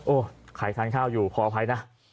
โอ๊ถ่ายทานข้าวอยู่พอไภนะ